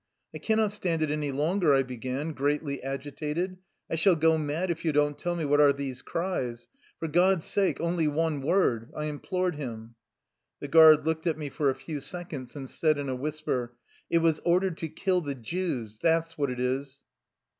" I cannot stand it any longer,'' I began, greatly agitated. " I shall go mad if you don't tell what are these cries. For God's sake, only one word !" I implored him. The guard looked at me for a few seconds, and said in a whisper :" It was ordered to kill the Jews, that 's what it is."